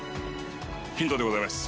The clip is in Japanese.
ヒントでございます。